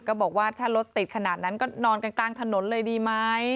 ก็บอกว่าถ้ารถติดขนาดนั้นก็นอนกันกลางถนนเลยดีไหม